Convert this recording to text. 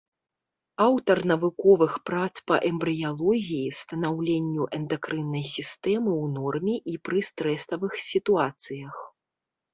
Аўтар навуковых прац па эмбрыялогіі, станаўленню эндакрыннай сістэмы ў норме і пры стрэсавых сітуацыях.